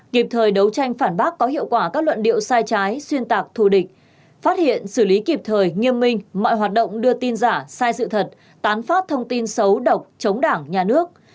kịp thời đấu tranh phản bác có hiệu quả các luận điệu sai trái xuyên tạc thù địch phát hiện xử lý kịp thời nghiêm minh mọi hoạt động đưa tin giả sai sự thật tán phát thông tin xấu độc chống đảng nhà nước